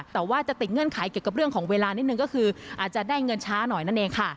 แต่ว่าจะติดเงื่อนไขเกี่ยวกับเรื่องของเวลานิดนึงก็คืออาจจะได้เงินช้าหน่อยนั่นเองค่ะ